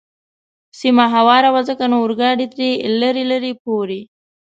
سیمه هواره وه، ځکه نو اورګاډی تر لرې لرې پورې.